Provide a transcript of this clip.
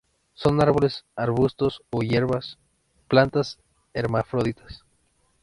Son árboles, arbustos o hierbas; plantas hermafroditas.